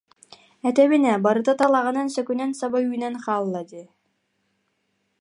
Этэбин ээ, барыта талаҕынан, сөкүнэн саба үүнэн хаалла диэн